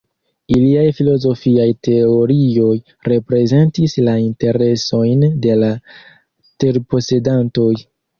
Iliaj filozofiaj teorioj reprezentis la interesojn de la terposedantoj.